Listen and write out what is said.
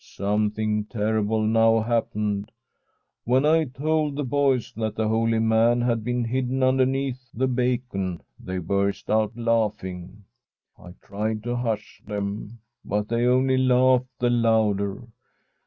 ' Something terrible now happened. When I told the boys that the holy man had been hidden underneath the bacon, they burst out laughing. I tried to hush them, but they only laughed the louder.